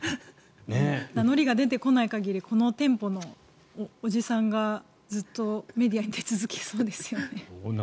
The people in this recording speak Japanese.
名乗りが出てこない限りこの店舗のおじさんがずっとメディアに出続けそうですよね。